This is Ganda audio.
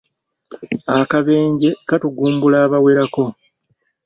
Akabenje katugumbula abawerako.